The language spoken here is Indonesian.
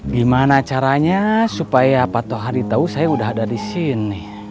gimana caranya supaya patoh hari tau saya udah ada di sini